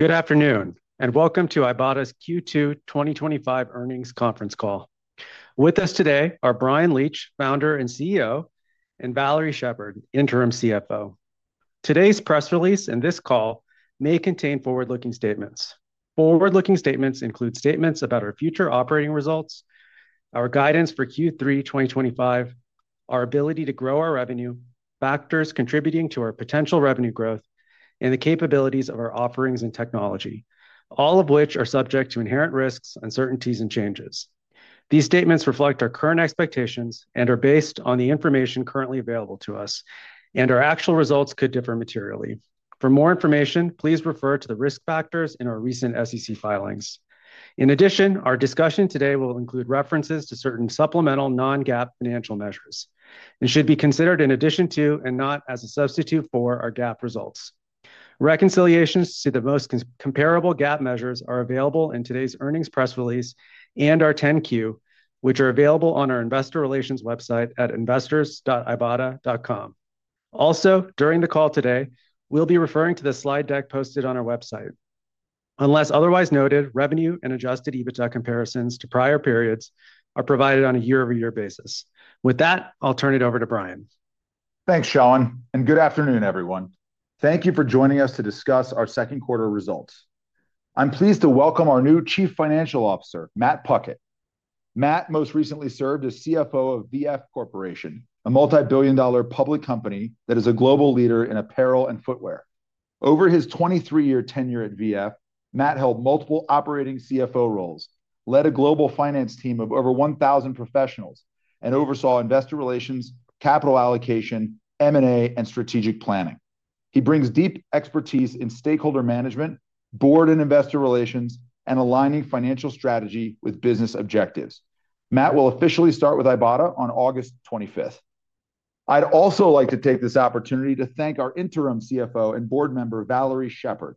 Good afternoon and welcome to Ibotta's Q2 2025 Earnings Conference Call. With us today are Bryan Leach, Founder and CEO, and Valarie Sheppard, Interim CFO. Today's press release and this call may contain forward-looking statements. Forward-looking statements include statements about our future operating results, our guidance for Q3 2025, our ability to grow our revenue, factors contributing to our potential revenue growth, and the capabilities of our offerings and technology, all of which are subject to inherent risks, uncertainties, and changes. These statements reflect our current expectations and are based on the information currently available to us, and our actual results could differ materially. For more information, please refer to the risk factors in our recent SEC filings. In addition, our discussion today will include references to certain supplemental non-GAAP financial measures and should be considered in addition to and not as a substitute for our GAAP results. Reconciliations to the most comparable GAAP measures are available in today's earnings press release and our 10-Q, which are available on our investor relations website at investors.ibotta.com. Also, during the call today, we'll be referring to the slide deck posted on our website. Unless otherwise noted, revenue and adjusted EBITDA comparisons to prior periods are provided on a year-over-year basis. With that, I'll turn it over to Bryan. Thanks, Shalin, and good afternoon, everyone. Thank you for joining us to discuss our second quarter results. I'm pleased to welcome our new Chief Financial Officer, Matt Puckett. Matt most recently served as CFO of VF Corporation, a multi-billion dollar public company that is a global leader in apparel and footwear. Over his 23-year tenure at VF, Matt held multiple operating CFO roles, led a global finance team of over 1,000 professionals, and oversaw investor relations, capital allocation, M&A, and strategic planning. He brings deep expertise in stakeholder management, board and investor relations, and aligning financial strategy with business objectives. Matt will officially start with Ibotta on August 25th. I'd also like to take this opportunity to thank our Interim CFO and board member, Valarie Sheppard.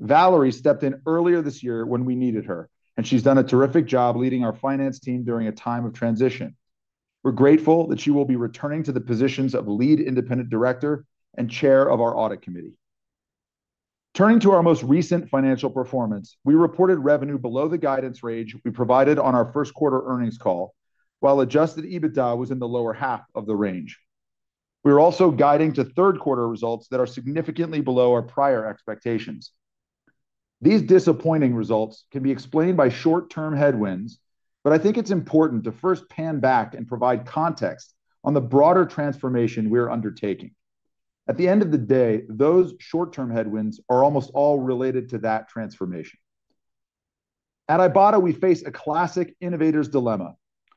Valarie stepped in earlier this year when we needed her, and she's done a terrific job leading our finance team during a time of transition. We're grateful that she will be returning to the positions of Lead Independent Director and Chair of our Audit Committee. Turning to our most recent financial performance, we reported revenue below the guidance range we provided on our first quarter earnings call, while adjusted EBITDA was in the lower half of the range. We're also guiding to third quarter results that are significantly below our prior expectations. These disappointing results can be explained by short-term headwinds, but I think it's important to first pan back and provide context on the broader transformation we're undertaking. At the end of the day, those short-term headwinds are almost all related to that transformation. At Ibotta, we face a classic innovator's dilemma.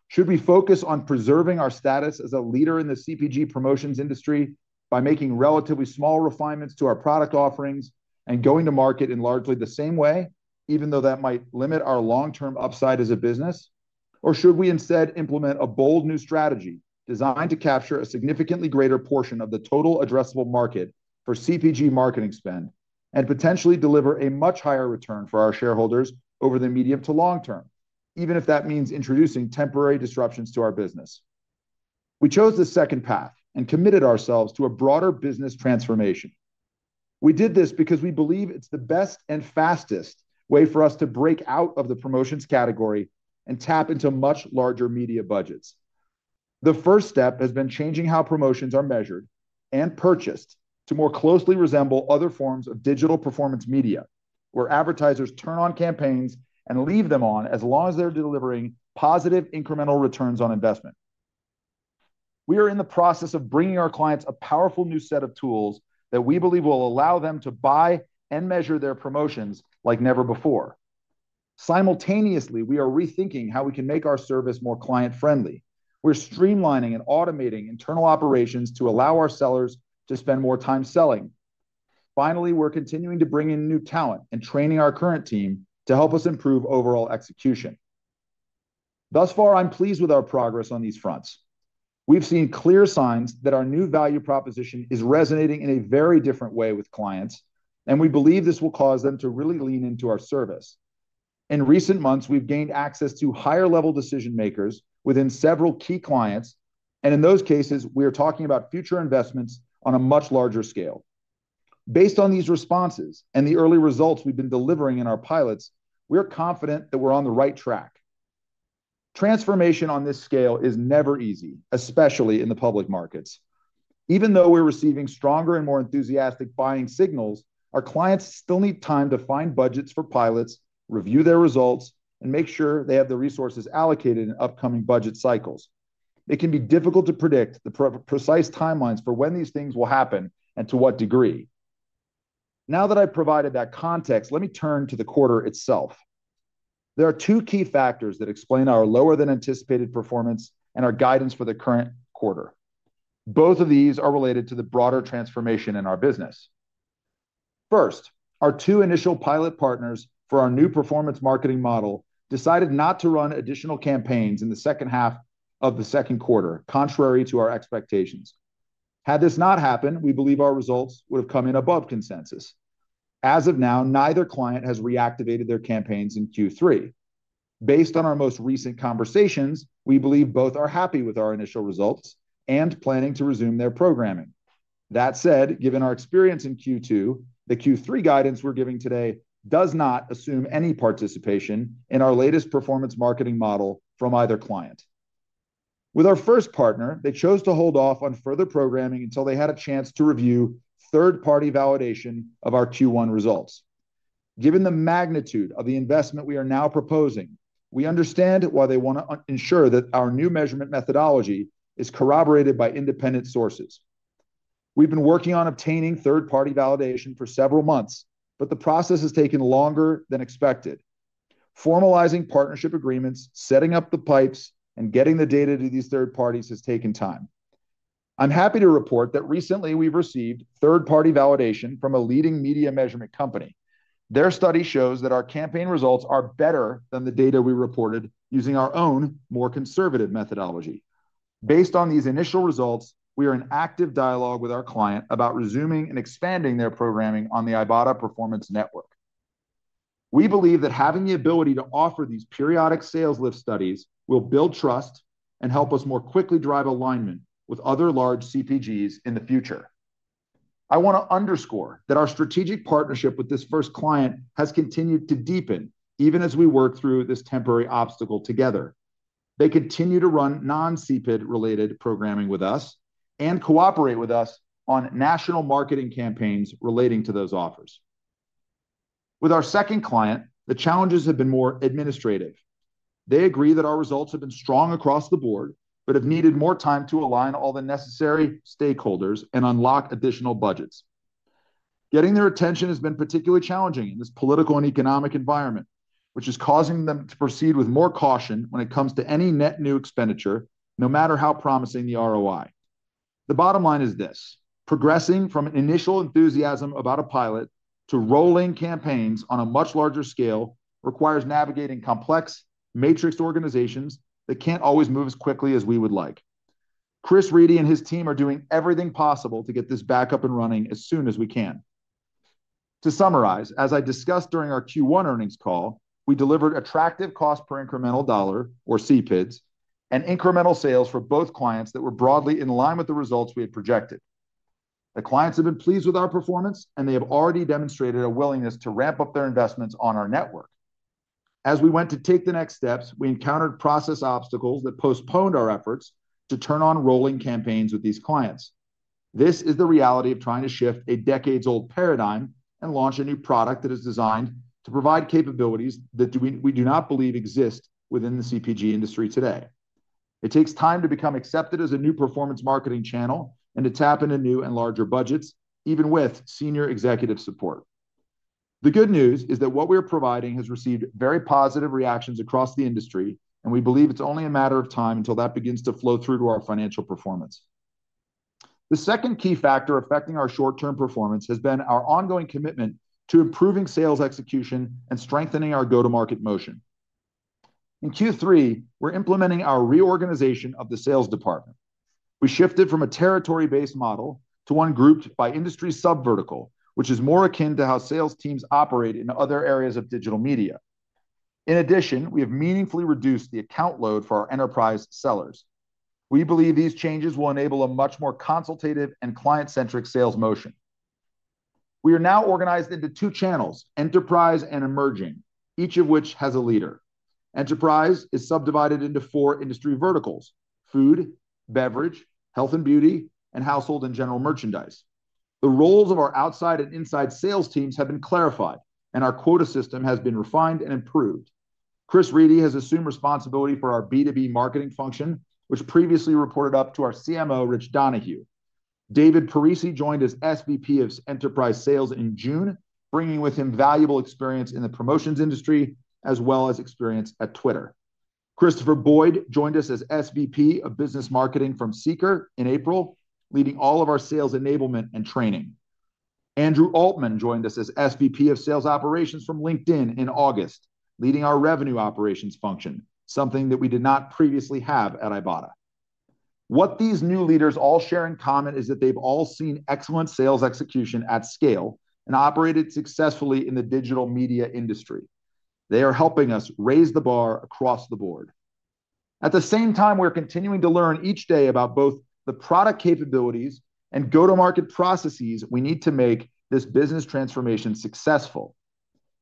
Should we focus on preserving our status as a leader in the CPG promotions industry by making relatively small refinements to our product offerings and going to market in largely the same way, even though that might limit our long-term upside as a business? Or should we instead implement a bold new strategy designed to capture a significantly greater portion of the total addressable market for CPG marketing spend and potentially deliver a much higher return for our shareholders over the medium to long term, even if that means introducing temporary disruptions to our business? We chose the second path and committed ourselves to a broader business transformation. We did this because we believe it's the best and fastest way for us to break out of the promotions category and tap into much larger media budgets. The first step has been changing how promotions are measured and purchased to more closely resemble other forms of digital performance media, where advertisers turn on campaigns and leave them on as long as they're delivering positive incremental returns on investment. We are in the process of bringing our clients a powerful new set of tools that we believe will allow them to buy and measure their promotions like never before. Simultaneously, we are rethinking how we can make our service more client-friendly. We're streamlining and automating internal operations to allow our sellers to spend more time selling. Finally, we're continuing to bring in new talent and training our current team to help us improve overall execution. Thus far, I'm pleased with our progress on these fronts. We've seen clear signs that our new value proposition is resonating in a very different way with clients, and we believe this will cause them to really lean into our service. In recent months, we've gained access to higher-level decision makers within several key clients, and in those cases, we are talking about future investments on a much larger scale. Based on these responses and the early results we've been delivering in our pilots, we are confident that we're on the right track. Transformation on this scale is never easy, especially in the public markets. Even though we're receiving stronger and more enthusiastic buying signals, our clients still need time to find budgets for pilots, review their results, and make sure they have the resources allocated in upcoming budget cycles. It can be difficult to predict the precise timelines for when these things will happen and to what degree. Now that I've provided that context, let me turn to the quarter itself. There are two key factors that explain our lower than anticipated performance and our guidance for the current quarter. Both of these are related to the broader transformation in our business. First, our two initial pilot partners for our new performance marketing model decided not to run additional campaigns in the second half of the second quarter, contrary to our expectations. Had this not happened, we believe our results would have come in above consensus. As of now, neither client has reactivated their campaigns in Q3. Based on our most recent conversations, we believe both are happy with our initial results and planning to resume their programming. That said, given our experience in Q2, the Q3 guidance we're giving today does not assume any participation in our latest performance marketing model from either client. With our first partner, they chose to hold off on further programming until they had a chance to review third-party validation of our Q1 results. Given the magnitude of the investment we are now proposing, we understand why they want to ensure that our new measurement methodology is corroborated by independent sources. We've been working on obtaining third-party validation for several months, but the process has taken longer than expected. Formalizing partnership agreements, setting up the pipes, and getting the data to these third parties has taken time. I'm happy to report that recently we've received third-party validation from a leading media measurement company. Their study shows that our campaign results are better than the data we reported using our own more conservative methodology. Based on these initial results, we are in active dialogue with our client about resuming and expanding their programming on the Ibotta Performance Network. We believe that having the ability to offer these periodic sales lift studies will build trust and help us more quickly drive alignment with other large CPGs in the future. I want to underscore that our strategic partnership with this first client has continued to deepen even as we work through this temporary obstacle together. They continue to run non-CPID related programming with us and cooperate with us on national marketing campaigns relating to those offers. With our second client, the challenges have been more administrative. They agree that our results have been strong across the board, but have needed more time to align all the necessary stakeholders and unlock additional budgets. Getting their attention has been particularly challenging in this political and economic environment, which is causing them to proceed with more caution when it comes to any net new expenditure, no matter how promising the ROI. The bottom line is this: progressing from an initial enthusiasm about a pilot to rolling campaigns on a much larger scale requires navigating complex matrix organizations that can't always move as quickly as we would like. Chris Reedy and his team are doing everything possible to get this back up and running as soon as we can. To summarize, as I discussed during our Q1 earnings call, we delivered attractive cost per incremental dollar, or CPID, and incremental sales for both clients that were broadly in line with the results we had projected. The clients have been pleased with our performance, and they have already demonstrated a willingness to ramp up their investments on our network. As we went to take the next steps, we encountered process obstacles that postponed our efforts to turn on rolling campaigns with these clients. This is the reality of trying to shift a decades-old paradigm and launch a new product that is designed to provide capabilities that we do not believe exist within the CPG industry today. It takes time to become accepted as a new performance marketing channel and to tap into new and larger budgets, even with senior executive support. The good news is that what we're providing has received very positive reactions across the industry, and we believe it's only a matter of time until that begins to flow through to our financial performance. The second key factor affecting our short-term performance has been our ongoing commitment to improving sales execution and strengthening our go-to-market motion. In Q3, we're implementing our reorganization of the sales department. We shifted from a territory-based model to one grouped by industry sub-vertical, which is more akin to how sales teams operate in other areas of digital media. In addition, we have meaningfully reduced the account load for our enterprise sellers. We believe these changes will enable a much more consultative and client-centric sales motion. We are now organized into two channels: enterprise and emerging, each of which has a leader. Enterprise is subdivided into four industry verticals: food, beverage, health and beauty, and household and general merchandise. The roles of our outside and inside sales teams have been clarified, and our quota system has been refined and improved. Chris Reedy has assumed responsibility for our B2B marketing function, which previously reported up to our CMO, Rich Donahue. David Parisi joined as SVP of Enterprise Sales in June, bringing with him valuable experience in the promotions industry as well as experience at Twitter. Christopher Boyd joined us as SVP of Business Marketing from Seeker in April, leading all of our sales enablement and training. Andrew Altman joined us as SVP of Sales Operations from LinkedIn in August, leading our revenue operations function, something that we did not previously have at Ibotta. What these new leaders all share in common is that they've all seen excellent sales execution at scale and operated successfully in the digital media industry. They are helping us raise the bar across the board. At the same time, we're continuing to learn each day about both the product capabilities and go-to-market processes we need to make this business transformation successful.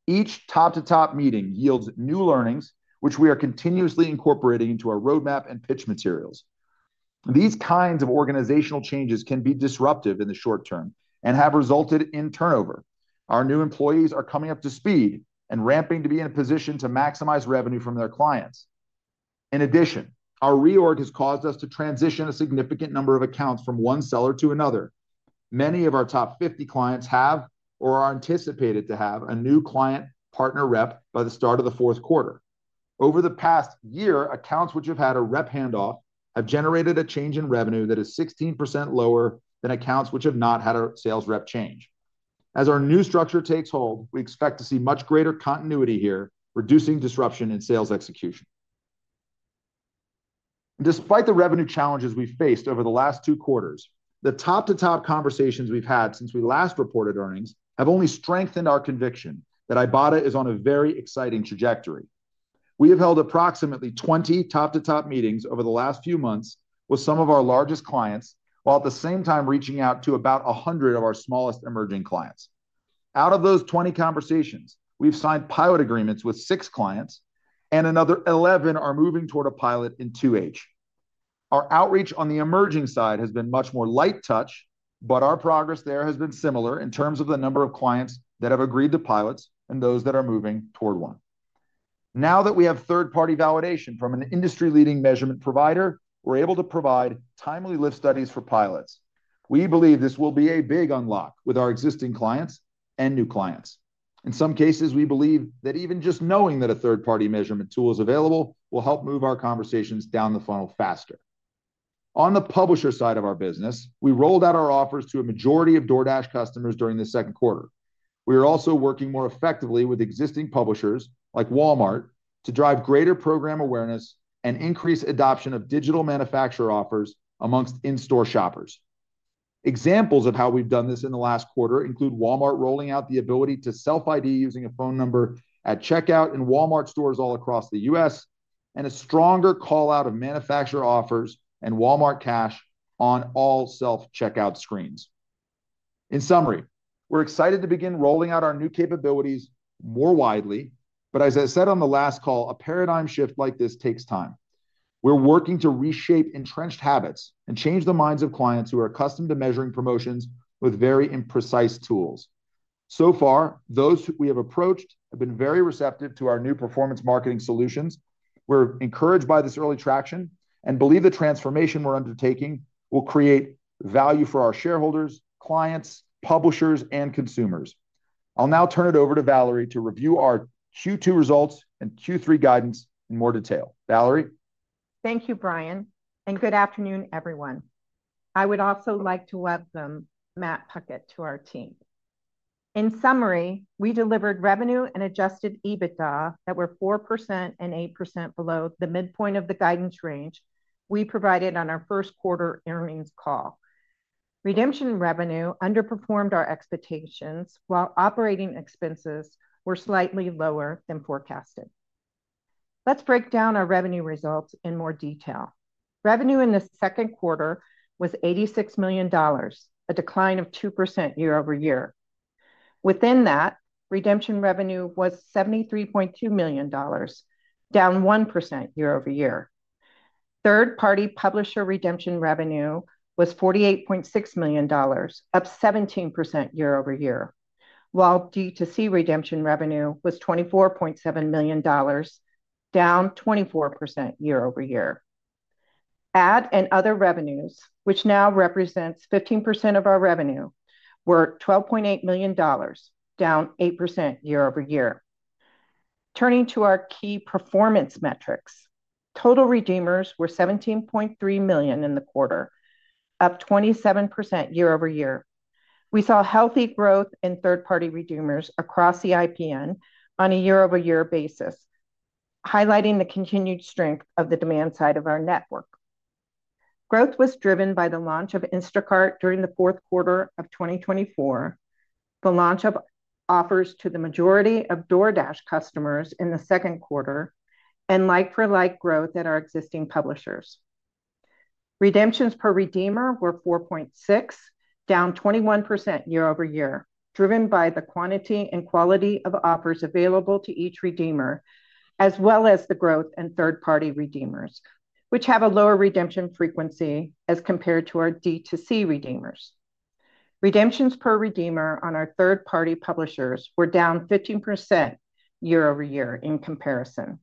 Each top-to-top meeting yields new learnings, which we are continuously incorporating into our roadmap and pitch materials. These kinds of organizational changes can be disruptive in the short term and have resulted in turnover. Our new employees are coming up to speed and ramping to be in a position to maximize revenue from their clients. In addition, our reorg has caused us to transition a significant number of accounts from one seller to another. Many of our top 50 clients have or are anticipated to have a new client partner rep by the start of the fourth quarter. Over the past year, accounts which have had a rep handoff have generated a change in revenue that is 16% lower than accounts which have not had a sales rep change. As our new structure takes hold, we expect to see much greater continuity here, reducing disruption in sales execution. Despite the revenue challenges we've faced over the last two quarters, the top-to-top conversations we've had since we last reported earnings have only strengthened our conviction that Ibotta is on a very exciting trajectory. We have held approximately 20 top-to-top meetings over the last few months with some of our largest clients, while at the same time reaching out to about 100 of our smallest emerging clients. Out of those 20 conversations, we've signed pilot agreements with six clients, and another 11 are moving toward a pilot in 2H. Our outreach on the emerging side has been much more light touch, but our progress there has been similar in terms of the number of clients that have agreed to pilots and those that are moving toward one. Now that we have third-party validation from an industry-leading measurement provider, we're able to provide timely lift studies for pilots. We believe this will be a big unlock with our existing clients and new clients. In some cases, we believe that even just knowing that a third-party measurement tool is available will help move our conversations down the funnel faster. On the publisher side of our business, we rolled out our offers to a majority of DoorDash customers during the second quarter. We are also working more effectively with existing publishers like Walmart to drive greater program awareness and increase adoption of digital manufacturer offers amongst in-store shoppers. Examples of how we've done this in the last quarter include Walmart rolling out the ability to self-ID using a phone number at checkout in Walmart stores all across the U.S., and a stronger call-out of manufacturer offers and Walmart cash on all self-checkout screens. In summary, we're excited to begin rolling out our new capabilities more widely, but as I said on the last call, a paradigm shift like this takes time. We are working to reshape entrenched habits and change the minds of clients who are accustomed to measuring promotions with very imprecise tools. So far, those who we have approached have been very receptive to our new performance marketing solutions. We are encouraged by this early traction and believe the transformation we are undertaking will create value for our shareholders, clients, publishers, and consumers. I'll now turn it over to Valarie to review our Q2 results and Q3 guidance in more detail. Valarie? Thank you, Bryan, and good afternoon, everyone. I would also like to welcome Matt Puckett to our team. In summary, we delivered revenue and adjusted EBITDA that were 4% and 8% below the midpoint of the guidance range we provided on our first quarter earnings call. Redemption revenue underperformed our expectations, while operating expenses were slightly lower than forecasted. Let's break down our revenue results in more detail. Revenue in the second quarter was $86 million, a decline of 2% year-over-year. Within that, redemption revenue was $73.2 million, down 1% year-over-year. Third-party publisher redemption revenue was $48.6 million, up 17% year-over-year, while DTC redemption revenue was $24.7 million, down 24% year-over-year. Ad and other revenues, which now represent 15% of our revenue, were $12.8 million, down 8% year-over-year. Turning to our key performance metrics, total redeemers were $17.3 million in the quarter, up 27% year-over /-year. We saw healthy growth in third-party redeemers across the IPN on a year-over-year basis, highlighting the continued strength of the demand side of our network. Growth was driven by the launch of Instacart during the fourth quarter of 2024, the launch of offers to the majority of DoorDash customers in the second quarter, and like-for-like growth at our existing publishers. Redemptions per redeemer were 4.6, down 21% year-over-year, driven by the quantity and quality of offers available to each redeemer, as well as the growth in third-party redeemers, which have a lower redemption frequency as compared to our DTC redeemers. Redemptions per redeemer on our third-party publishers were down 15% year-over-year in comparison.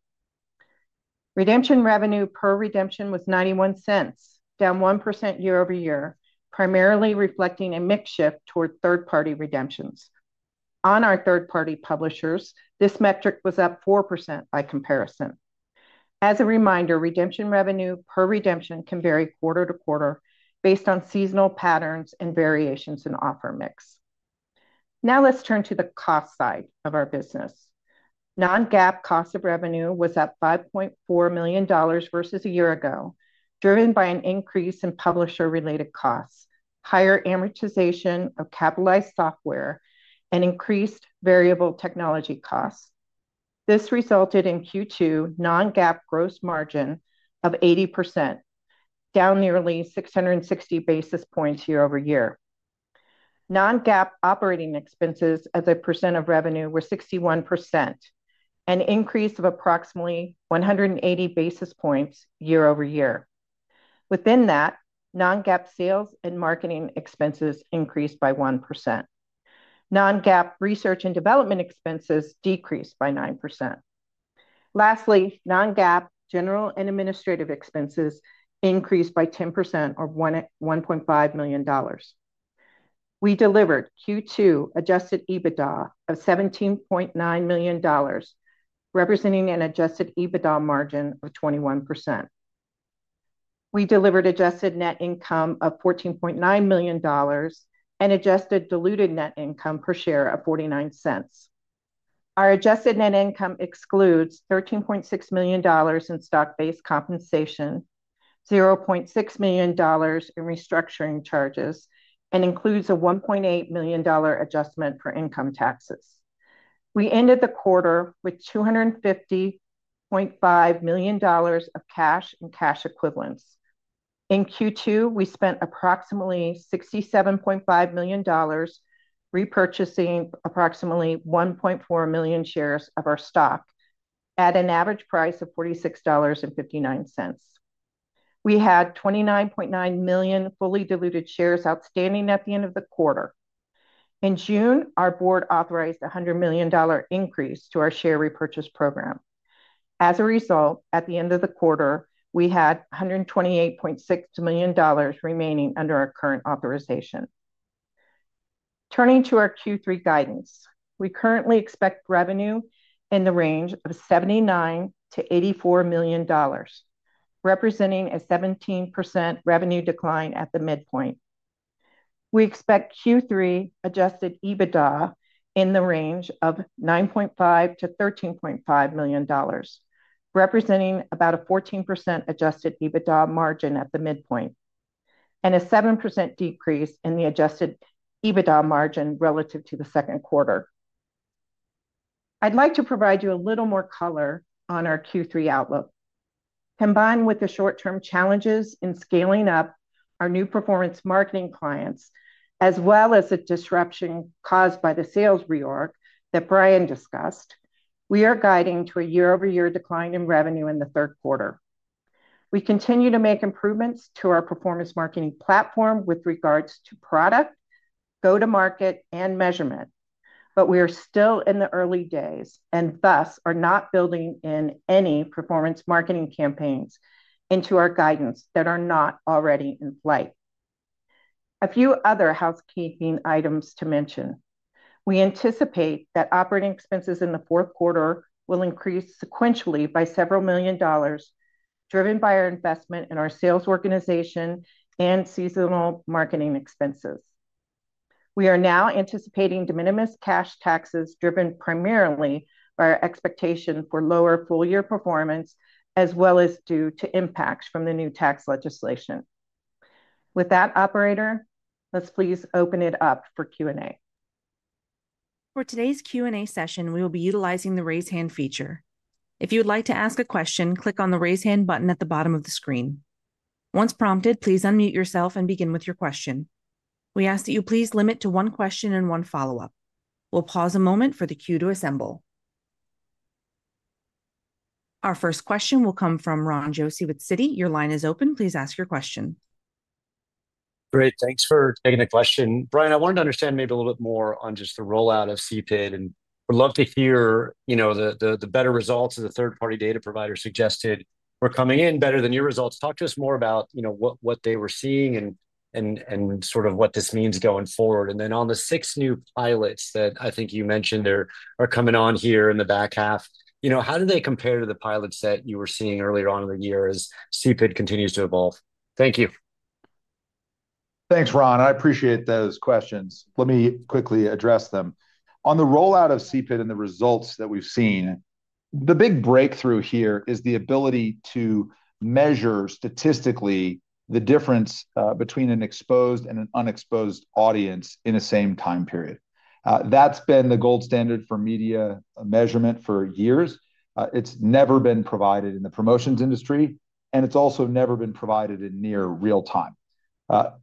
Redemption revenue per redemption was $0.91, down 1% year-over-year, primarily reflecting a mix shift toward third-party redemptions. On our third-party publishers, this metric was up 4% by comparison. As a reminder, redemption revenue per redemption can vary quarter to quarter based on seasonal patterns and variations in offer mix. Now let's turn to the cost side of our business. Non-GAAP cost of revenue was at $5.4 million versus a year ago, driven by an increase in publisher-related costs, higher amortization of capitalized software, and increased variable technology costs. This resulted in Q2 non-GAAP gross margin of 80%, down nearly 660 basis points year-over-year. Non-GAAP operating expenses as a percent of revenue were 61%, an increase of approximately 180 basis points year-over-year. Within that, non-GAAP sales and marketing expenses increased by 1%. Non-GAAP research and development expenses decreased by 9%. Lastly, non-GAAP general and administrative expenses increased by 10% or $1.5 million. We delivered Q2 adjusted EBITDA of $17.9 million, representing an adjusted EBITDA margin of 21%. We delivered adjusted net income of $14.9 million and adjusted diluted net income per share of $0.49. Our adjusted net income excludes $13.6 million in stock-based compensation, $0.6 million in restructuring charges, and includes a $1.8 million adjustment for income taxes. We ended the quarter with $250.5 million of cash and cash equivalents. In Q2, we spent approximately $67.5 million, repurchasing approximately 1.4 million shares of our stock at an average price of $46.59. We had 29.9 million fully diluted shares outstanding at the end of the quarter. In June, our board authorized a $100 million increase to our share repurchase program. As a result, at the end of the quarter, we had $128.6 million remaining under our current authorization. Turning to our Q3 guidance, we currently expect revenue in the range of $79 million-$84 million, representing a 17% revenue decline at the midpoint. We expect Q3 adjusted EBITDA in the range of $9.5 to $13.5 million, representing about a 14% adjusted EBITDA margin at the midpoint and a 7% decrease in the adjusted EBITDA margin relative to the second quarter. I'd like to provide you a little more color on our Q3 outlook, combined with the short-term challenges in scaling up our new performance marketing clients, as well as a disruption caused by the sales reorg that Bryan discussed. We are guiding to a year-over-year decline in revenue in the third quarter. We continue to make improvements to our performance marketing platform with regards to product, go-to-market, and measurement, but we are still in the early days and thus are not building in any performance marketing campaigns into our guidance that are not already in flight. A few other housekeeping items to mention. We anticipate that operating expenses in the fourth quarter will increase sequentially by several million dollars, driven by our investment in our sales organization and seasonal marketing expenses. We are now anticipating de minimis cash taxes, driven primarily by our expectation for lower full-year performance, as well as due to impacts from the new tax legislation. With that, operator, let's please open it up for Q&A. For today's Q&A session, we will be utilizing the Raise Hand feature. If you would like to ask a question, click on the Raise Hand button at the bottom of the screen. Once prompted, please unmute yourself and begin with your question. We ask that you please limit to one question and one follow-up. We'll pause a moment for the queue to assemble. Our first question will come from Ron Josey at Citi. Your line is open. Please ask your question. Great. Thanks for taking the question. Bryan, I wanted to understand maybe a little bit more on just the rollout of CPID and would love to hear, you know, the better results the third-party data provider suggested were coming in better than your results. Talk to us more about, you know, what they were seeing and sort of what this means going forward. On the six new pilots that I think you mentioned are coming on here in the back half, you know, how do they compare to the pilots that you were seeing earlier on in the year as CPID continues to evolve? Thank you. Thanks, Ron. I appreciate those questions. Let me quickly address them. On the rollout of CPID and the results that we've seen, the big breakthrough here is the ability to measure statistically the difference between an exposed and an unexposed audience in a same time period. That's been the gold standard for media measurement for years. It's never been provided in the promotions industry, and it's also never been provided in near real time. What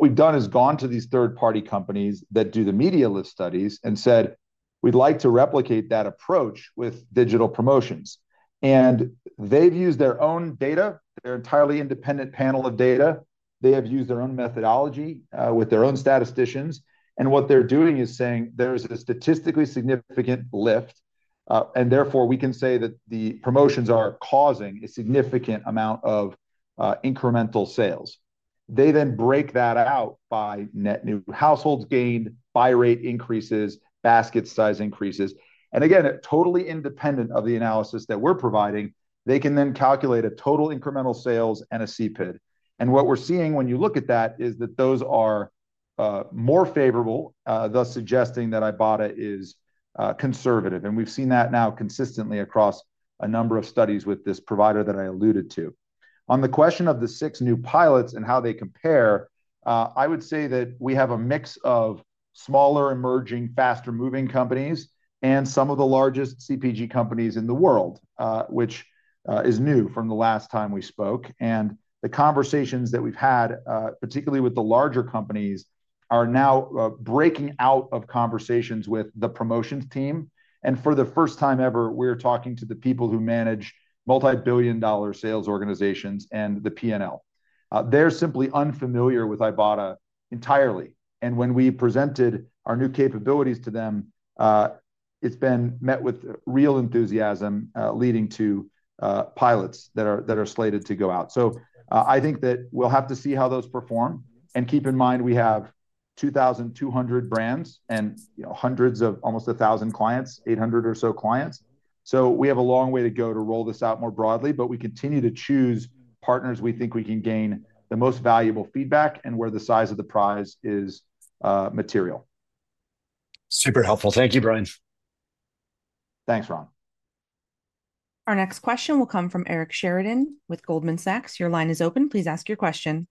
we've done is gone to these third-party companies that do the media lift studies and said, we'd like to replicate that approach with digital promotions. They've used their own data, their entirely independent panel of data. They have used their own methodology with their own statisticians, and what they're doing is saying there is a statistically significant lift, and therefore we can say that the promotions are causing a significant amount of incremental sales. They then break that out by net new households gained, buy rate increases, basket size increases. Again, totally independent of the analysis that we're providing, they can then calculate a total incremental sales and a CPID. What we're seeing when you look at that is that those are more favorable, thus suggesting that Ibotta is conservative. We've seen that now consistently across a number of studies with this provider that I alluded to. On the question of the six new pilots and how they compare, I would say that we have a mix of smaller emerging, faster-moving companies and some of the largest CPG companies in the world, which is new from the last time we spoke. The conversations that we've had, particularly with the larger companies, are now breaking out of conversations with the promotions team. For the first time ever, we're talking to the people who manage multi-billion dollar sales organizations and the P&L. They're simply unfamiliar with Ibotta entirely. When we presented our new capabilities to them, it's been met with real enthusiasm, leading to pilots that are slated to go out. I think that we'll have to see how those perform. Keep in mind, we have 2,200 brands and, you know, hundreds of almost 1,000 clients, 800 or so clients. We have a long way to go to roll this out more broadly, but we continue to choose partners we think we can gain the most valuable feedback and where the size of the prize is material. Super helpful. Thank you, Bryan. Thanks, Ron. Our next question will come from Eric Sheridan with Goldman Sachs. Your line is open. Please ask your question.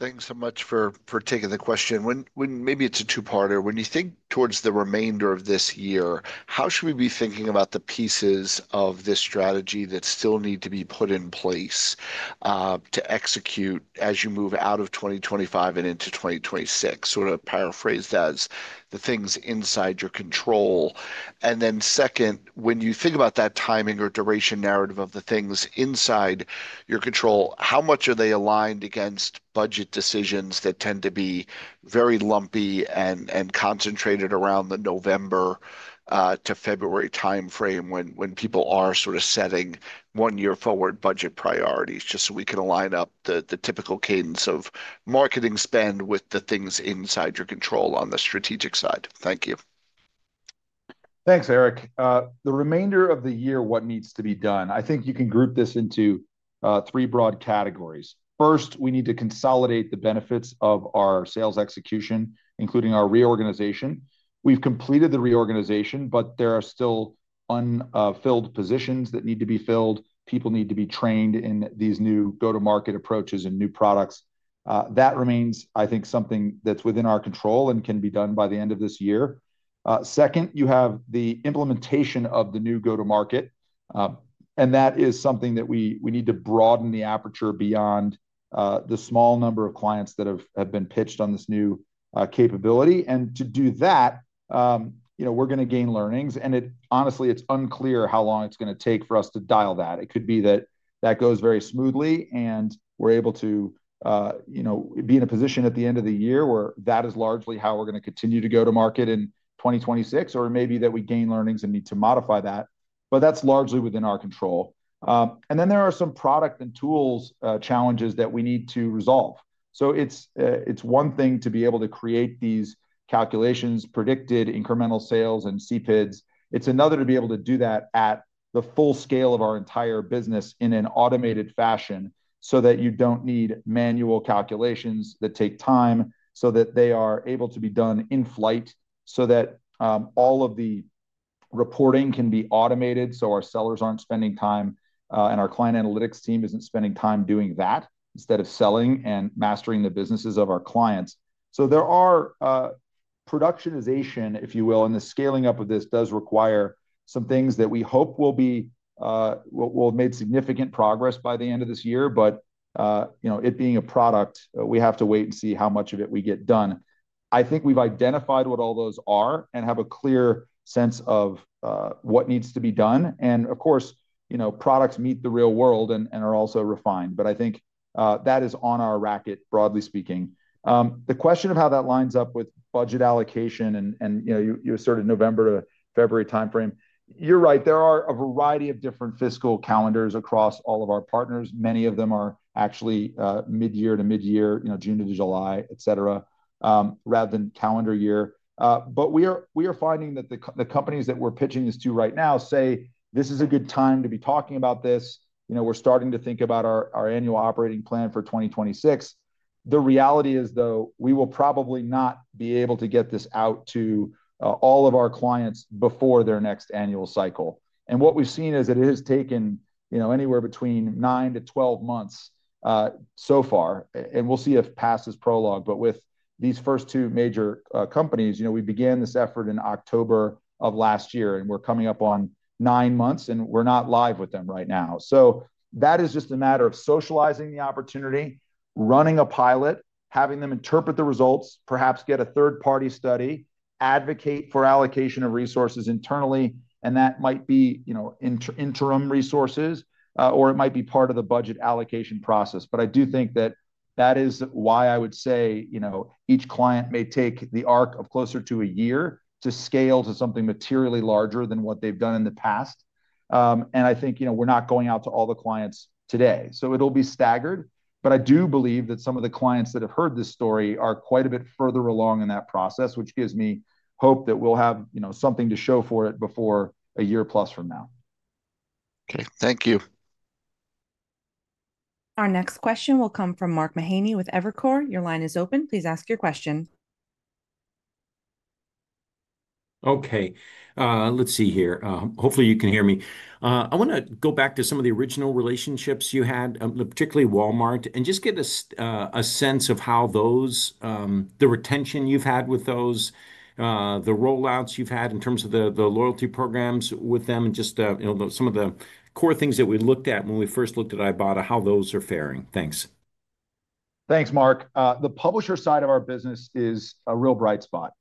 Thanks so much for taking the question. Maybe it's a two-parter. When you think towards the remainder of this year, how should we be thinking about the pieces of this strategy that still need to be put in place to execute as you move out of 2025 and into 2026? Paraphrased as the things inside your control. When you think about that timing or duration narrative of the things inside your control, how much are they aligned against budget decisions that tend to be very lumpy and concentrated around the November to February timeframe when people are setting one-year forward budget priorities, just so we can align up the typical cadence of marketing spend with the things inside your control on the strategic side? Thank you. Thanks, Eric. The remainder of the year, what needs to be done? I think you can group this into three broad categories. First, we need to consolidate the benefits of our sales execution, including our reorganization. We've completed the reorganization, but there are still unfilled positions that need to be filled. People need to be trained in these new go-to-market approaches and new products. That remains, I think, something that's within our control and can be done by the end of this year. Second, you have the implementation of the new go-to-market, and that is something that we need to broaden the aperture beyond the small number of clients that have been pitched on this new capability. To do that, we're going to gain learnings, and honestly, it's unclear how long it's going to take for us to dial that. It could be that that goes very smoothly and we're able to be in a position at the end of the year where that is largely how we're going to continue to go to market in 2026, or it may be that we gain learnings and need to modify that, but that's largely within our control. There are some product and tools challenges that we need to resolve. It's one thing to be able to create these calculations, predicted incremental sales and CPIDs. It's another to be able to do that at the full scale of our entire business in an automated fashion so that you don't need manual calculations that take time, so that they are able to be done in flight, so that all of the reporting can be automated so our sellers aren't spending time and our client analytics team isn't spending time doing that instead of selling and mastering the businesses of our clients. There are productionization, if you will, and the scaling up of this does require some things that we hope will be made significant progress by the end of this year, but it being a product, we have to wait and see how much of it we get done. I think we've identified what all those are and have a clear sense of what needs to be done. Of course, products meet the real world and are also refined, but I think that is on our racket, broadly speaking. The question of how that lines up with budget allocation and, you know, you asserted November to February timeframe. You're right. There are a variety of different fiscal calendars across all of our partners. Many of them are actually mid-year to mid-year, June to July, etc., rather than calendar year. We are finding that the companies that we're pitching this to right now say this is a good time to be talking about this. You know, we're starting to think about our annual operating plan for 2026. The reality is, though, we will probably not be able to get this out to all of our clients before their next annual cycle. What we've seen is that it has taken anywhere between nine to 12 months so far, and we'll see if past is prologue, but with these first two major companies, we began this effort in October of last year, and we're coming up on nine months, and we're not live with them right now. That is just a matter of socializing the opportunity, running a pilot, having them interpret the results, perhaps get a third-party study, advocate for allocation of resources internally, and that might be interim resources, or it might be part of the budget allocation process. I do think that is why I would say each client may take the arc of closer to a year to scale to something materially larger than what they've done in the past. I think we're not going out to all the clients today. It'll be staggered, but I do believe that some of the clients that have heard this story are quite a bit further along in that process, which gives me hope that we'll have something to show for it before a year plus from now. Okay, thank you. Our next question will come from Mark Mahaney with Evercore. Your line is open. Please ask your question. Let's see here. Hopefully, you can hear me. I want to go back to some of the original relationships you had, particularly Walmart, and just get a sense of how those, the retention you've had with those, the rollouts you've had in terms of the loyalty programs with them, just, you know, some of the core things that we looked at when we first looked at Ibotta, how those are faring. Thanks. Thanks, Mark. The publisher side of our business is a real bright spot,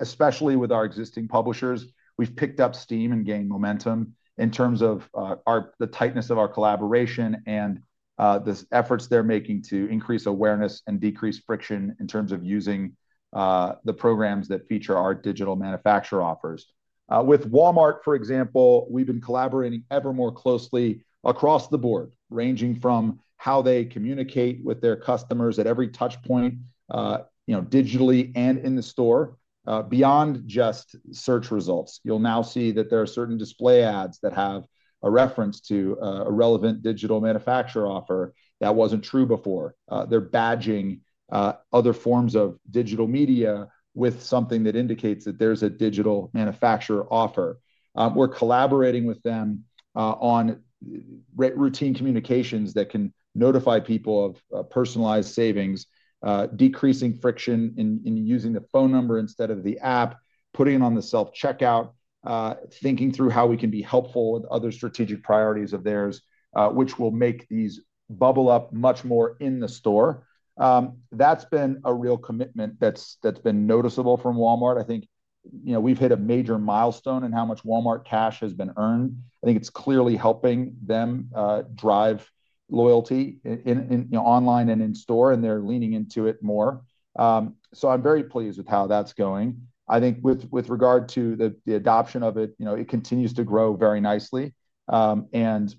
especially with our existing publishers. We've picked up steam and gained momentum in terms of the tightness of our collaboration and the efforts they're making to increase awareness and decrease friction in terms of using the programs that feature our digital manufacturer offers. With Walmart, for example, we've been collaborating ever more closely across the board, ranging from how they communicate with their customers at every touchpoint, digitally and in the store, beyond just search results. You'll now see that there are certain display ads that have a reference to a relevant digital manufacturer offer that wasn't true before. They're badging other forms of digital media with something that indicates that there's a digital manufacturer offer. We're collaborating with them on routine communications that can notify people of personalized savings, decreasing friction in using the phone number instead of the app, putting it on the self-checkout, thinking through how we can be helpful with other strategic priorities of theirs, which will make these bubble up much more in the store. That's been a real commitment that's been noticeable from Walmart. I think we've hit a major milestone in how much Walmart cash has been earned. I think it's clearly helping them drive loyalty online and in store, and they're leaning into it more. I'm very pleased with how that's going. I think with regard to the adoption of it, it continues to grow very nicely and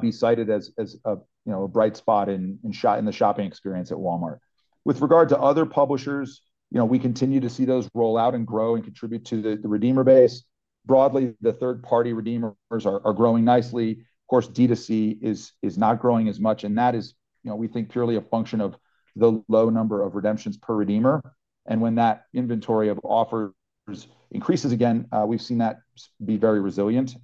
be cited as a bright spot in the shopping experience at Walmart. With regard to other publishers, we continue to see those roll out and grow and contribute to the redeemer base. Broadly, the third-party redeemers are growing nicely. Of course, DTC is not growing as much, and that is, we think, purely a function of the low number of redemptions per redeemer. When that inventory of offers increases again, we've seen that be very resilient.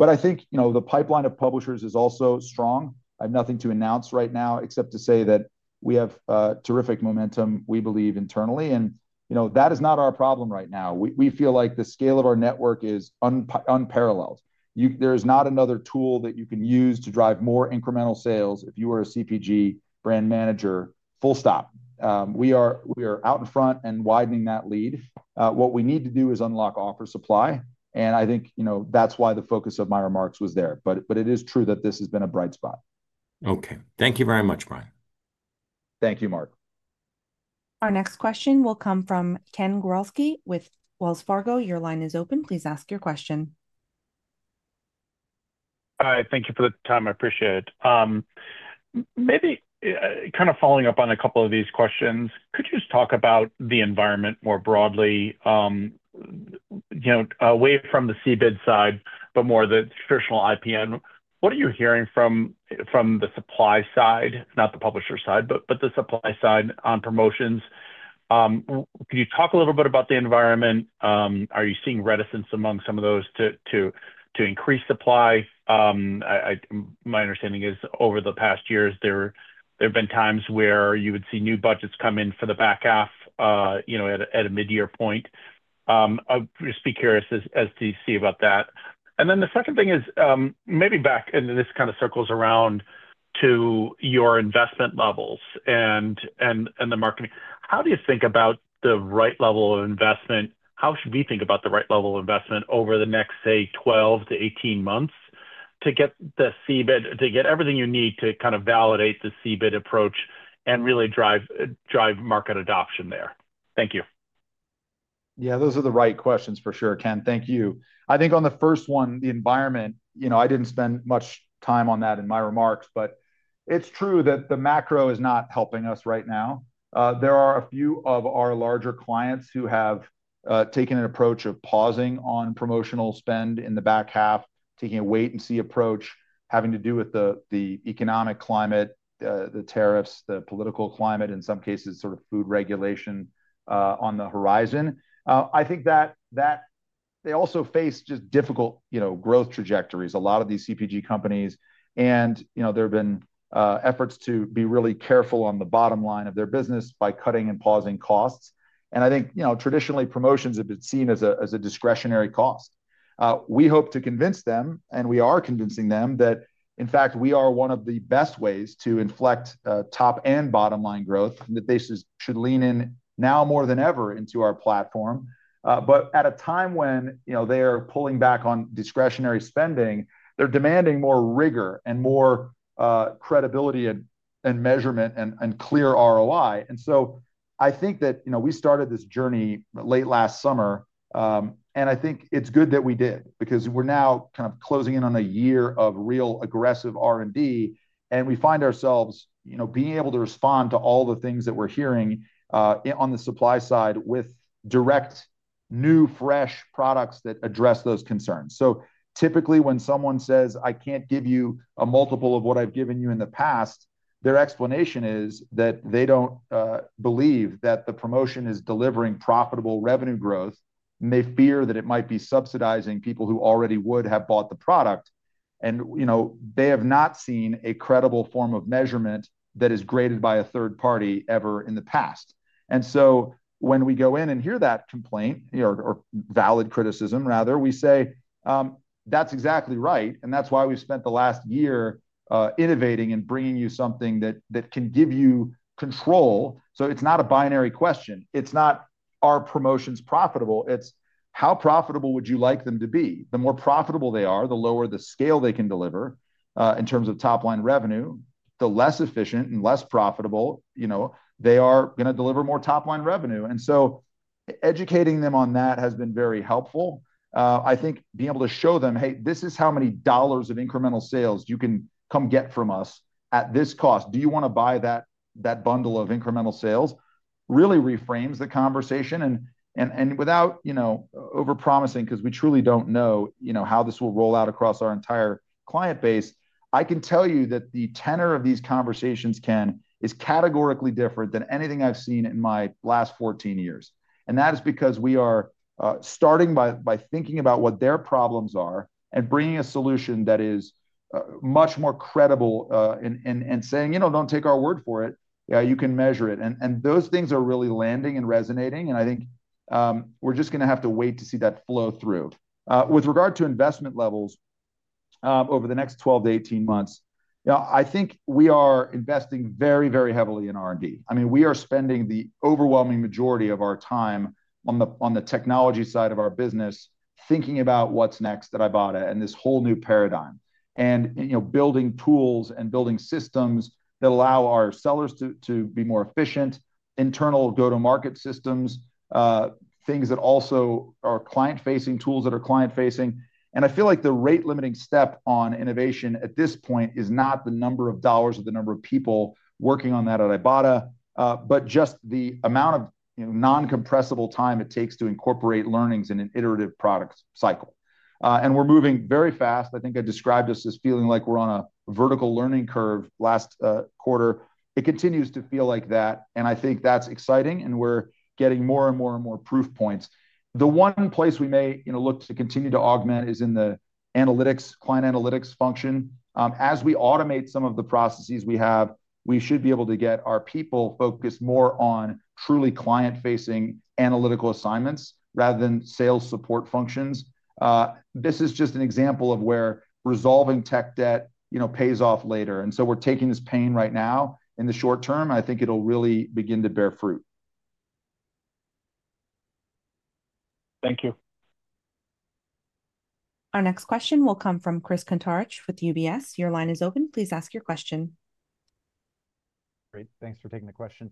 I think the pipeline of publishers is also strong. I have nothing to announce right now except to say that we have terrific momentum, we believe internally, and that is not our problem right now. We feel like the scale of our network is unparalleled. There is not another tool that you can use to drive more incremental sales if you are a CPG brand manager. Full stop. We are out in front and widening that lead. What we need to do is unlock offer supply, and I think that's why the focus of my remarks was there. It is true that this has been a bright spot. Okay, thank you very much, Bryan. Thank you, Mark. Our next question will come from Ken Gawrelski with Wells Fargo. Your line is open. Please ask your question. All right. Thank you for the time. I appreciate it. Maybe kind of following up on a couple of these questions, could you just talk about the environment more broadly, you know, away from the CPID side, but more the traditional IPN? What are you hearing from the supply side, not the publisher side, but the supply side on promotions? Can you talk a little bit about the environment? Are you seeing reticence among some of those to increase supply? My understanding is over the past years, there have been times where you would see new budgets come in for the back half, you know, at a mid-year point. I'll just be curious as to see about that. The second thing is maybe back, and this kind of circles around to your investment levels and the marketing. How do you think about the right level of investment? How should we think about the right level of investment over the next, say, 12 months-18 months to get the CPID, to get everything you need to kind of validate the CPID approach and really drive market adoption there? Thank you. Yeah, those are the right questions for sure, Ken. Thank you. I think on the first one, the environment, I didn't spend much time on that in my remarks, but it's true that the macro is not helping us right now. There are a few of our larger clients who have taken an approach of pausing on promotional spend in the back half, taking a wait-and-see approach, having to do with the economic climate, the tariffs, the political climate, in some cases, sort of food regulation on the horizon. I think that they also face just difficult growth trajectories, a lot of these CPG companies. There have been efforts to be really careful on the bottom line of their business by cutting and pausing costs. I think, traditionally, promotions have been seen as a discretionary cost. We hope to convince them, and we are convincing them that, in fact, we are one of the best ways to inflect top and bottom line growth, and that they should lean in now more than ever into our platform. At a time when they are pulling back on discretionary spending, they're demanding more rigor and more credibility and measurement and clear ROI. I think that we started this journey late last summer, and I think it's good that we did because we're now kind of closing in on a year of real aggressive R&D, and we find ourselves being able to respond to all the things that we're hearing on the supply side with direct new fresh products that address those concerns. Typically, when someone says, "I can't give you a multiple of what I've given you in the past," their explanation is that they don't believe that the promotion is delivering profitable revenue growth, and they fear that it might be subsidizing people who already would have bought the product. They have not seen a credible form of measurement that is graded by a third party ever in the past. When we go in and hear that complaint or valid criticism, rather, we say, "That's exactly right, and that's why we've spent the last year innovating and bringing you something that can give you control." It's not a binary question. It's not, "Are promotions profitable?" It's, "How profitable would you like them to be?" The more profitable they are, the lower the scale they can deliver in terms of top line revenue. The less efficient and less profitable, they are going to deliver more top line revenue. Educating them on that has been very helpful. I think being able to show them, "Hey, this is how many dollars of incremental sales you can come get from us at this cost. Do you want to buy that bundle of incremental sales?" really reframes the conversation. Without over-promising, because we truly do not know how this will roll out across our entire client base, I can tell you that the tenor of these conversations, Ken, is categorically different than anything I have seen in my last 14 years. That is because we are starting by thinking about what their problems are and bringing a solution that is much more credible and saying, "You know, do not take our word for it. You can measure it." Those things are really landing and resonating, and I think we are just going to have to wait to see that flow through. With regard to investment levels over the next 12 months-18 months, I think we are investing very, very heavily in R&D. We are spending the overwhelming majority of our time on the technology side of our business, thinking about what is next at Ibotta and this whole new paradigm. We are building tools and building systems that allow our sellers to be more efficient, internal go-to-market systems, things that also are client-facing, tools that are client-facing. I feel like the rate-limiting step on innovation at this point is not the number of dollars or the number of people working on that at Ibotta, but just the amount of non-compressible time it takes to incorporate learnings in an iterative product cycle. We are moving very fast. I think I described this as feeling like we are on a vertical learning curve last quarter. It continues to feel like that, and I think that is exciting, and we are getting more and more and more proof points. The one place we may look to continue to augment is in the analytics, client analytics function. As we automate some of the processes we have, we should be able to get our people focused more on truly client-facing analytical assignments rather than sales support functions. This is just an example of where resolving tech debt pays off later. We are taking this pain right now in the short term, and I think it will really begin to bear fruit. Thank you. Our next question will come from Chris Kuntarich with UBS. Your line is open. Please ask your question. Great. Thanks for taking the question.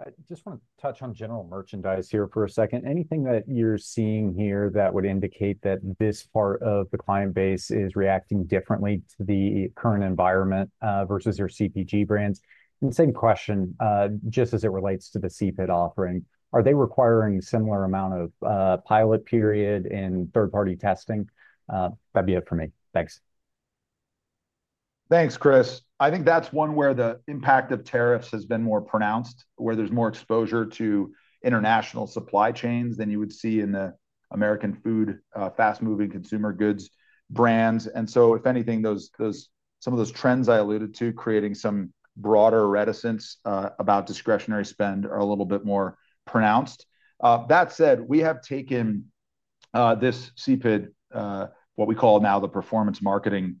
I just want to touch on general merchandise here for a second. Is there anything that you're seeing here that would indicate that this part of the client base is reacting differently to the current environment versus your CPG brands? The same question, just as it relates to the CPID offering. Are they requiring a similar amount of pilot period in third-party testing? That'd be it for me. Thanks. Thanks, Chris. I think that's one where the impact of tariffs has been more pronounced, where there's more exposure to international supply chains than you would see in the American food, fast-moving consumer goods brands. If anything, some of those trends I alluded to, creating some broader reticence about discretionary spend, are a little bit more pronounced. That said, we have taken this CPID, what we call now the performance marketing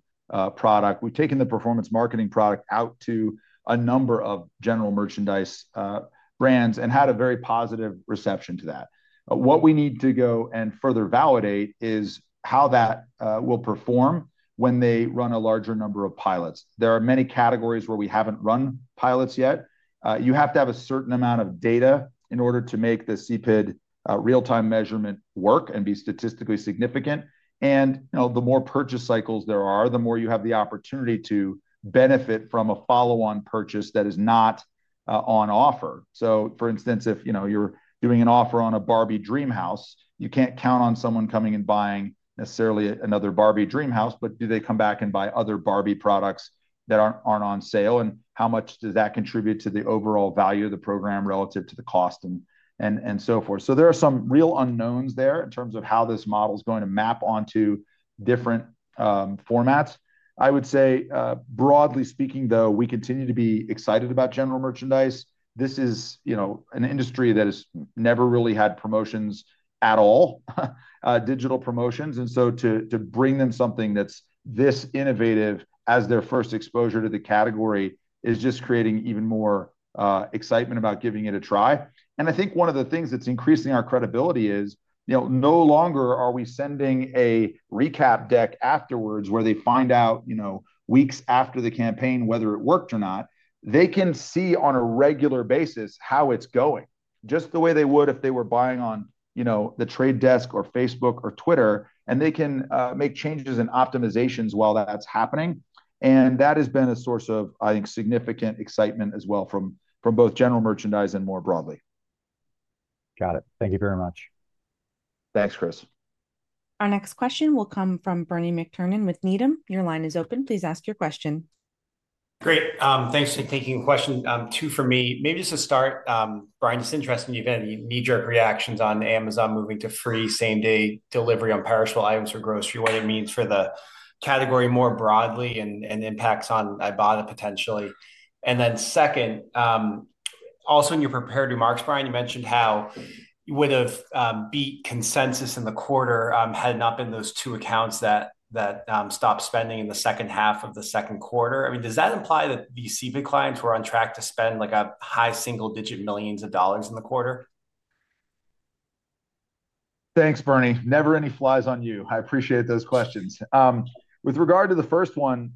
product. We've taken the performance marketing product out to a number of general merchandise brands and had a very positive reception to that. What we need to go and further validate is how that will perform when they run a larger number of pilots. There are many categories where we haven't run pilots yet. You have to have a certain amount of data in order to make the CPID real-time measurement work and be statistically significant. The more purchase cycles there are, the more you have the opportunity to benefit from a follow-on purchase that is not on offer. For instance, if you know you're doing an offer on a Barbie Dreamhouse, you can't count on someone coming and buying necessarily another Barbie Dreamhouse, but do they come back and buy other Barbie products that aren't on sale? How much does that contribute to the overall value of the program relative to the cost and so forth? There are some real unknowns there in terms of how this model is going to map onto different formats. I would say, broadly speaking, though, we continue to be excited about general merchandise. This is an industry that has never really had promotions at all, digital promotions. To bring them something that's this innovative as their first exposure to the category is just creating even more excitement about giving it a try. I think one of the things that's increasing our credibility is, you know, no longer are we sending a recap deck afterwards where they find out, you know, weeks after the campaign whether it worked or not. They can see on a regular basis how it's going, just the way they would if they were buying on, you know, the trade desk or Facebook or Twitter, and they can make changes and optimizations while that's happening. That has been a source of, I think, significant excitement as well from both general merchandise and more broadly. Got it. Thank you very much. Thanks, Chris. Our next question will come from Bernie McTernan with Needham. Your line is open. Please ask your question. Great. Thanks for taking a question. Two for me. Maybe just to start, Bryan, just interested if you've had any knee-jerk reactions on Amazon moving to free same-day delivery on perishable items for grocery, what it means for the category more broadly and impacts on Ibotta potentially. Also, in your prepared remarks, Bryan, you mentioned how you would have beat consensus in the quarter had it not been those two accounts that stopped spending in the second half of the second quarter. Does that imply that the CPID clients were on track to spend like a high single-digit millions of dollars in the quarter? Thanks, Bernie. Never any flies on you. I appreciate those questions. With regard to the first one,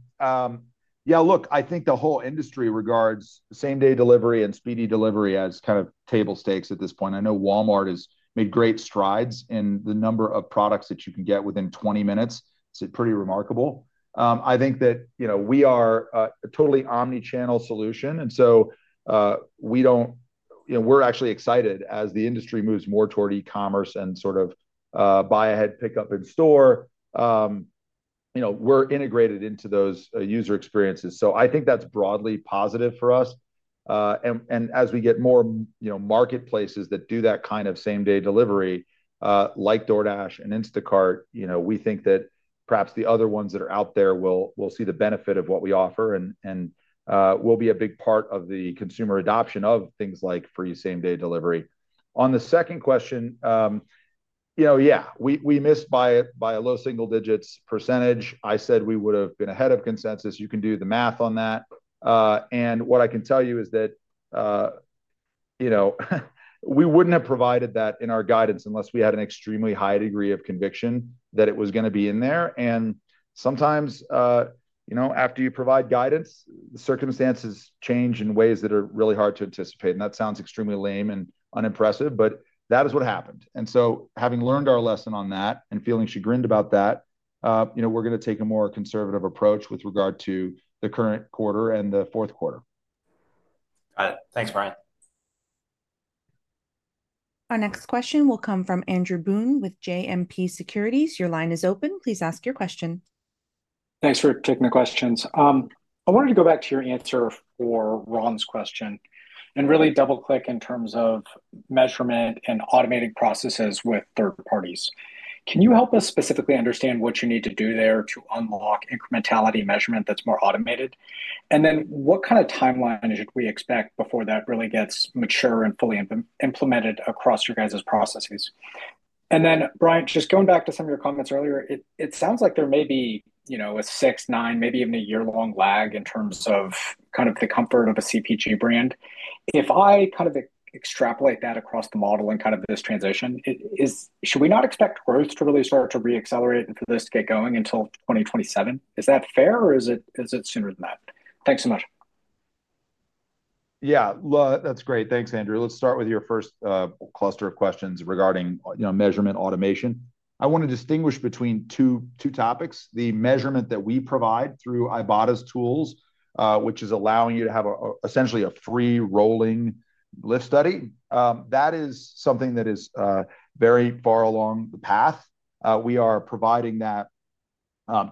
yeah, look, I think the whole industry regards same-day delivery and speedy delivery as kind of table stakes at this point. I know Walmart has made great strides in the number of products that you can get within 20 minutes. It's pretty remarkable. I think that, you know, we are a totally omnichannel solution. We don't, you know, we're actually excited as the industry moves more toward e-commerce and sort of buy ahead, pick up in store. We're integrated into those user experiences. I think that's broadly positive for us. As we get more marketplaces that do that kind of same-day delivery, like DoorDash and Instacart, we think that perhaps the other ones that are out there will see the benefit of what we offer and will be a big part of the consumer adoption of things like free same-day delivery. On the second question, yeah, we missed by a low single-digit %. I said we would have been ahead of consensus. You can do the math on that. What I can tell you is that we wouldn't have provided that in our guidance unless we had an extremely high degree of conviction that it was going to be in there. Sometimes, after you provide guidance, the circumstances change in ways that are really hard to anticipate. That sounds extremely lame and unimpressive, but that is what happened. Having learned our lesson on that and feeling chagrined about that, we're going to take a more conservative approach with regard to the current quarter and the fourth quarter. Got it. Thanks, Bryan. Our next question will come from Andrew Boone with JMP Securities. Your line is open. Please ask your question. Thanks for taking the questions. I wanted to go back to your answer for Ron's question and really double-click in terms of measurement and automated processes with third parties. Can you help us specifically understand what you need to do there to unlock incrementality measurement that's more automated? What kind of timeline should we expect before that really gets mature and fully implemented across your guys' processes? Brian, just going back to some of your comments earlier, it sounds like there may be, you know, a six, nine, maybe even a year-long lag in terms of kind of the comfort of a CPG brand. If I kind of extrapolate that across the model and kind of this transition, should we not expect growth to really start to re-accelerate and for this to get going until 2027? Is that fair or is it sooner than that? Thanks so much. Yeah, that's great. Thanks, Andrew. Let's start with your first cluster of questions regarding measurement automation. I want to distinguish between two topics. The measurement that we provide through Ibotta's tools, which is allowing you to have essentially a free rolling lift study, is something that is very far along the path. We are providing that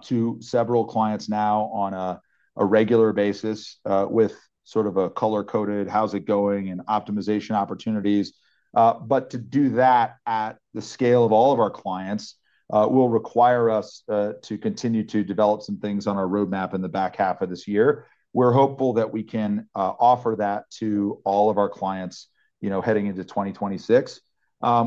to several clients now on a regular basis with sort of a color-coded how's it going and optimization opportunities. To do that at the scale of all of our clients will require us to continue to develop some things on our roadmap in the back half of this year. We're hopeful that we can offer that to all of our clients heading into 2026.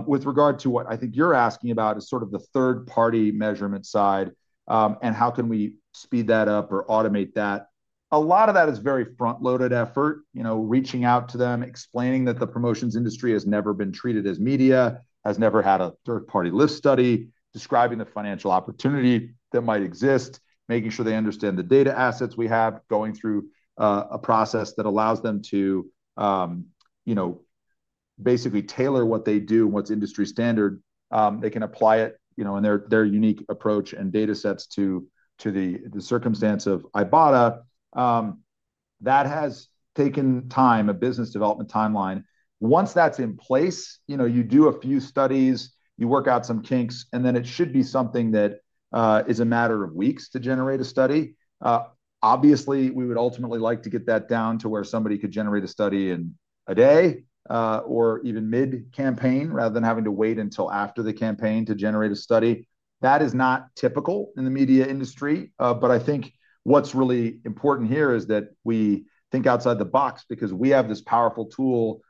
With regard to what I think you're asking about, which is sort of the third-party measurement side and how can we speed that up or automate that, a lot of that is very front-loaded effort, reaching out to them, explaining that the promotions industry has never been treated as media, has never had a third-party lift study, describing the financial opportunity that might exist, making sure they understand the data assets we have, going through a process that allows them to basically tailor what they do and what's industry standard. They can apply it in their unique approach and data sets to the circumstance of Ibotta. That has taken time, a business development timeline. Once that's in place, you do a few studies, you work out some kinks, and then it should be something that is a matter of weeks to generate a study. Obviously, we would ultimately like to get that down to where somebody could generate a study in a day or even mid-campaign rather than having to wait until after the campaign to generate a study. That is not typical in the media industry. I think what's really important here is that we think outside the box because we have this powerful tool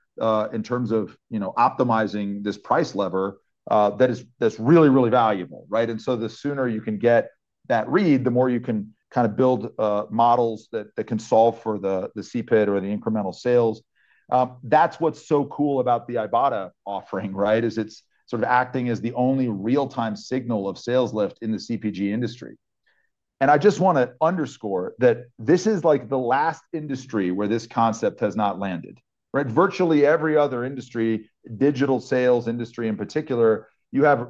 in terms of optimizing this price lever that is really, really valuable, right? The sooner you can get that read, the more you can kind of build models that can solve for the CPID or the incremental sales. That's what's so cool about the Ibotta offering, right? It's sort of acting as the only real-time signal of sales lift in the CPG industry. I just want to underscore that this is like the last industry where this concept has not landed. Virtually every other industry, digital sales industry in particular, you have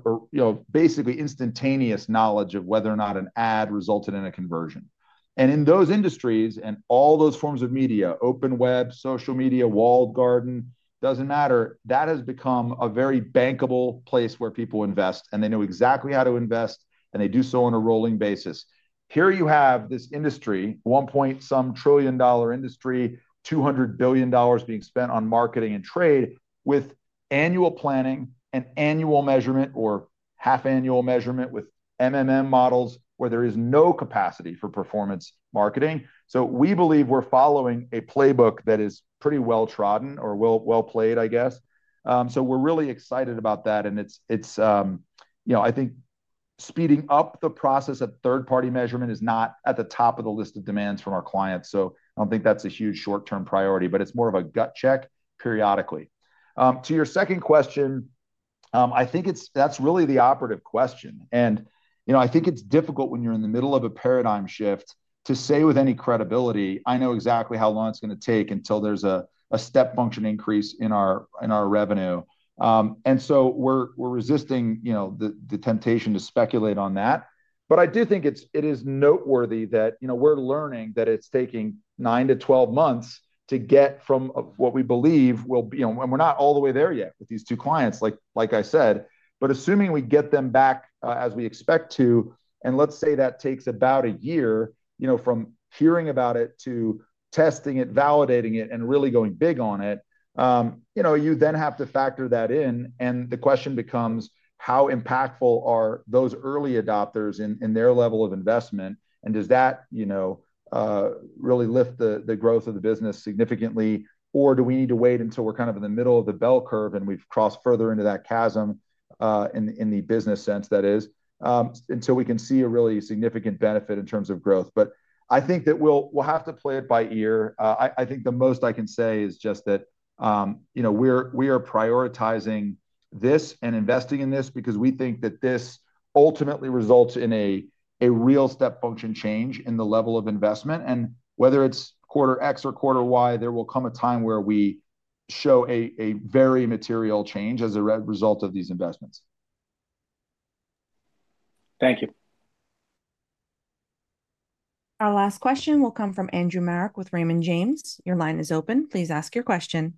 basically instantaneous knowledge of whether or not an ad resulted in a conversion. In those industries and all those forms of media, open web, social media, walled garden, it doesn't matter, that has become a very bankable place where people invest and they know exactly how to invest and they do so on a rolling basis. Here you have this industry, one point some trillion dollar industry, $200 billion being spent on marketing and trade with annual planning and annual measurement or half annual measurement with models where there is no capacity for performance marketing. We believe we're following a playbook that is pretty well trodden or well played, I guess. We're really excited about that and it's, you know, I think speeding up the process at third-party measurement is not at the top of the list of demands from our clients. I don't think that's a huge short-term priority, but it's more of a gut check periodically. To your second question, I think that's really the operative question. I think it's difficult when you're in the middle of a paradigm shift to say with any credibility, I know exactly how long it's going to take until there's a step function increase in our revenue. We're resisting the temptation to speculate on that. I do think it is noteworthy that we're learning that it's taking 9 months-12 months to get from what we believe will be, you know, and we're not all the way there yet with these two clients, like I said, but assuming we get them back as we expect to, and let's say that takes about a year, from hearing about it to testing it, validating it, and really going big on it, you then have to factor that in and the question becomes how impactful are those early adopters in their level of investment and does that really lift the growth of the business significantly or do we need to wait until we're kind of in the middle of the bell curve and we've crossed further into that chasm in the business sense, that is, until we can see a really significant benefit in terms of growth. I think that we'll have to play it by ear. I think the most I can say is just that we are prioritizing this and investing in this because we think that this ultimately results in a real step function change in the level of investment, and whether it's quarter X or quarter Y, there will come a time where we show a very material change as a result of these investments. Thank you. Our last question will come from Andrew Marok with Raymond James. Your line is open. Please ask your question.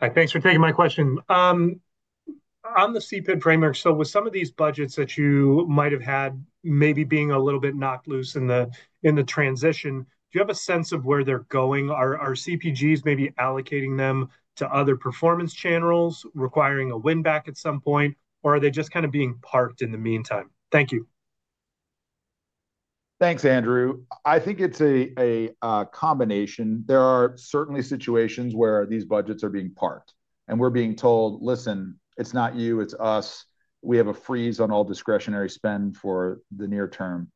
Hi, thanks for taking my question. On the CPID framework, with some of these budgets that you might have had maybe being a little bit knocked loose in the transition, do you have a sense of where they're going? Are CPGs maybe allocating them to other performance channels requiring a win-back at some point, or are they just kind of being parked in the meantime? Thank you. Thanks, Andrew. I think it's a combination. There are certainly situations where these budgets are being parked and we're being told, "Listen, it's not you, it's us. We have a freeze on all discretionary spend for the near term."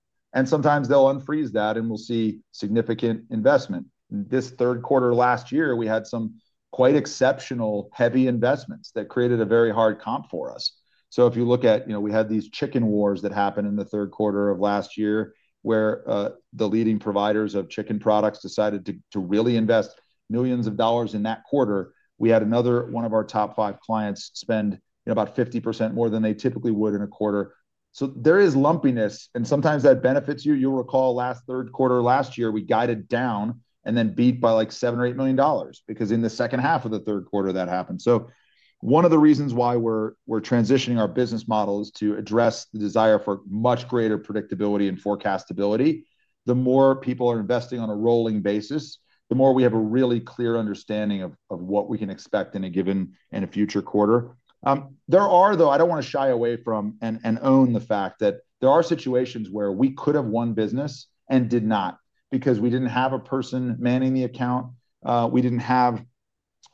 Sometimes they'll unfreeze that and we'll see significant investment. This third quarter last year, we had some quite exceptional heavy investments that created a very hard comp for us. If you look at, you know, we had these chicken wars that happened in the third quarter of last year where the leading providers of chicken products decided to really invest millions of dollars in that quarter. We had another one of our top five clients spend about 50% more than they typically would in a quarter. There is lumpiness and sometimes that benefits you. You'll recall last third quarter last year, we guided down and then beat by like $7 million or $8 million because in the second half of the third quarter that happened. One of the reasons why we're transitioning our business models is to address the desire for much greater predictability and forecastability. The more people are investing on a rolling basis, the more we have a really clear understanding of what we can expect in a given and a future quarter. I don't want to shy away from and own the fact that there are situations where we could have won business and did not because we didn't have a person manning the account. We didn't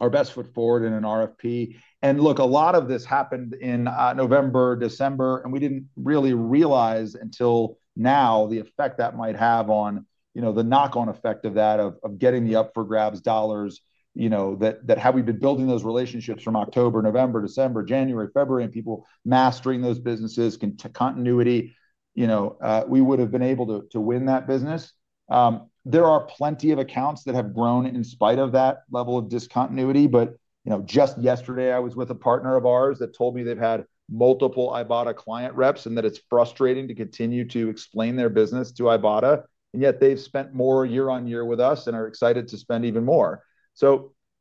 have our best foot forward in an RFP. A lot of this happened in November, December, and we didn't really realize until now the effect that might have on, you know, the knock-on effect of that of getting the up-for-grabs dollars, you know, that had we been building those relationships from October, November, December, January, February, and people mastering those businesses, continuity, you know, we would have been able to win that business. There are plenty of accounts that have grown in spite of that level of discontinuity, but just yesterday I was with a partner of ours that told me they've had multiple Ibotta client reps and that it's frustrating to continue to explain their business to Ibotta, and yet they've spent more year on year with us and are excited to spend even more.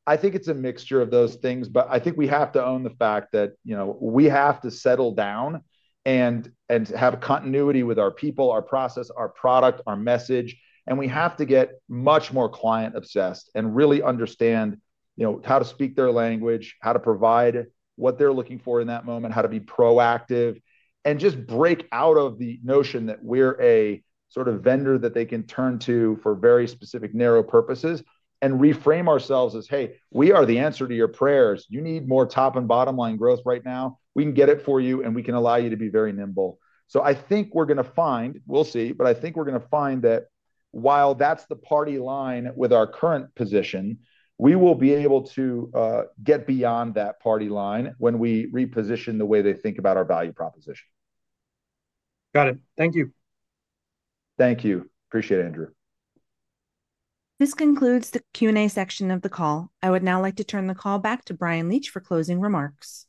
I think it's a mixture of those things, but I think we have to own the fact that we have to settle down and have continuity with our people, our process, our product, our message, and we have to get much more client-obsessed and really understand how to speak their language, how to provide what they're looking for in that moment, how to be proactive, and just break out of the notion that we're a sort of vendor that they can turn to for very specific narrow purposes and reframe ourselves as, "Hey, we are the answer to your prayers. You need more top and bottom line growth right now. We can get it for you and we can allow you to be very nimble." I think we're going to find, we'll see, but I think we're going to find that while that's the party line with our current position, we will be able to get beyond that party line when we reposition the way they think about our value proposition. Got it. Thank you. Thank you. Appreciate it, Andrew. This concludes the Q&A section of the call. I would now like to turn the call back to Bryan Leach for closing remarks.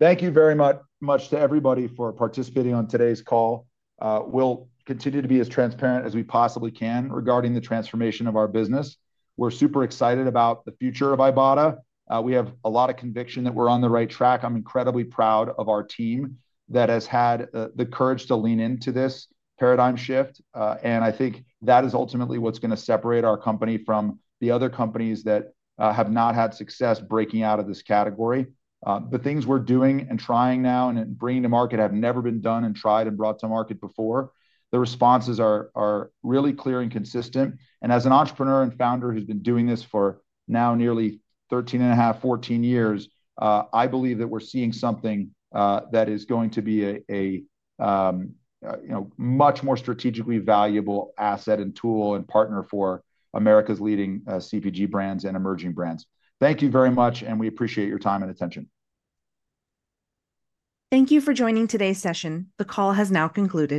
Thank you very much to everybody for participating on today's call. We will continue to be as transparent as we possibly can regarding the transformation of our business. We are super excited about the future of Ibotta. We have a lot of conviction that we are on the right track. I am incredibly proud of our team that has had the courage to lean into this paradigm shift, and I think that is ultimately what is going to separate our company from the other companies that have not had success breaking out of this category. The things we are doing and trying now and bringing to market have never been done and tried and brought to market before. The responses are really clear and consistent, and as an entrepreneur and founder who has been doing this for now nearly 13.5, 14 years, I believe that we are seeing something that is going to be a much more strategically valuable asset and tool and partner for America's leading CPG brands and emerging brands. Thank you very much, and we appreciate your time and attention. Thank you for joining today's session. The call has now concluded.